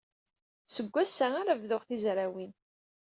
Seg wass-a ara bduɣ tizrawin.